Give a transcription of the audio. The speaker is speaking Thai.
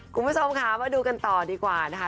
คุณผู้ชมค่ะมาดูกันต่อดีกว่านะคะ